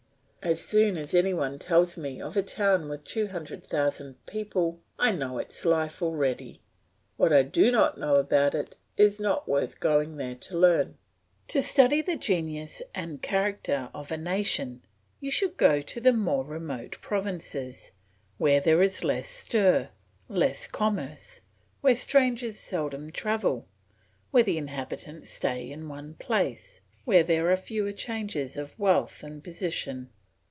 As soon as any one tells me of a town with two hundred thousand people, I know its life already. What I do not know about it is not worth going there to learn. To study the genius and character of a nation you should go to the more remote provinces, where there is less stir, less commerce, where strangers seldom travel, where the inhabitants stay in one place, where there are fewer changes of wealth and position.